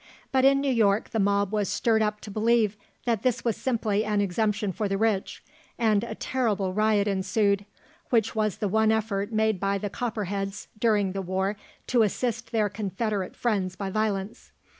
But in New York the mob was stirred up to believe that this was simply an exemption for the rich, and a terrible riot ensued, which was the one effort made by the Copperheads during the war to assist their Confederate friends by violence.